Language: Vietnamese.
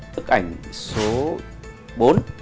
bức ảnh số bốn